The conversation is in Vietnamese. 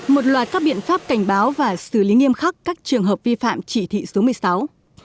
một loạt các biện pháp cảnh báo và xử lý nghiêm khắc các trường hợp vi phạm chỉ thị số một mươi sáu